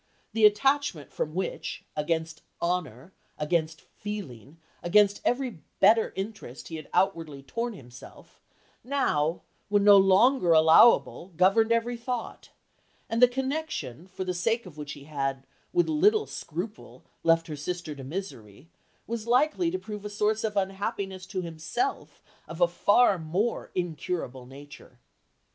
The attachment from which, against honour, against feeling, against every better interest he had outwardly torn himself, now, when no longer allowable, governed every thought; and the connection, for the sake of which he had, with little scruple, left her sister to misery, was likely to prove a source of unhappiness to himself of a far more incurable nature."